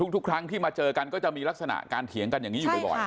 ทุกครั้งที่มาเจอกันก็จะมีลักษณะการเถียงกันอย่างนี้อยู่บ่อย